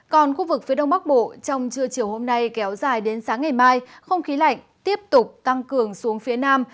còn khu vực phía đông bắc bộ trong trưa chiều hôm nay kéo dài đến sáng ngày mai không khí lạnh tiếp tục tăng cường xuống phía nam